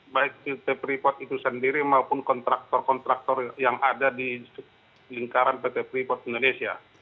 baik pt freeport itu sendiri maupun kontraktor kontraktor yang ada di lingkaran pt freeport indonesia